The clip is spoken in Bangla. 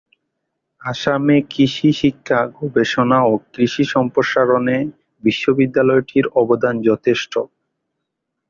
আসামে কৃষি শিক্ষা, গবেষণা ও কৃষি সম্প্রসারণে বিশ্ববিদ্যালয়টির অবদান যথেষ্ট।